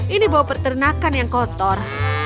ini bawah perternakan yang kotor